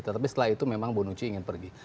tetapi setelah itu memang bonucci ingin pergi